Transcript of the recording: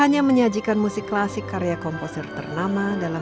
sampai akhir melutut mata